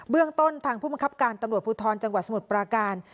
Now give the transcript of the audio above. เรื่องต้นทางผู้บังคับการตำรวจภูทรจังหวัดสมุทรปราการ